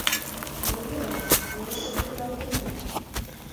— Ну йӧра, ме эше кутыралтена.